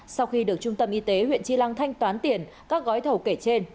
sau khi được trung tâm y tế huyện chi lăng thanh toán tiền các gói thầu kể trên